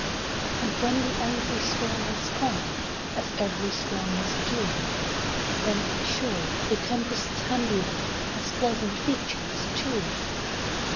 And when the angry storm has calm'd, As ev'ry storm must do, Then, sure, the tempest's handiwork, Has pleasant features, too.